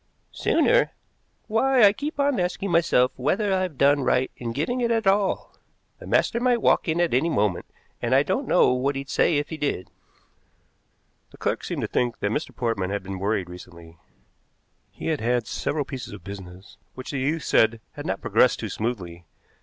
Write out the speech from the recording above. "Sooner? Why, I keep on asking myself whether I've done right in giving it at all. The master might walk in at any moment, and I don't know what he'd say if he did." The clerk seemed to think that Mr. Portman had been worried recently. He had had several pieces of business which the youth said had not progressed too smoothly.